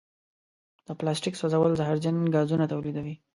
د پلاسټیک سوځول زهرجن ګازونه تولیدوي.